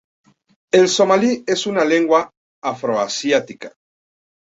El somalí es una lengua afroasiática.